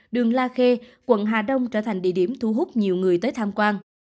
đường la khê quận hà đông trở thành địa điểm thu hút nhiều người tới tham quan